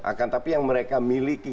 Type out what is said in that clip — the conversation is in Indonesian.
akan tapi yang mereka miliki